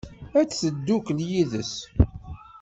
Ad teddukel yid-s?